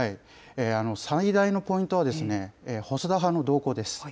最大のポイントは細田派の動向です。